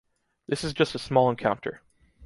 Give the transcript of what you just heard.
This is just a small encounter.